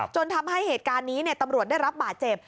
จนทำให้เหตุการณ์นี้ตำรวจได้รับบาดเจ็บ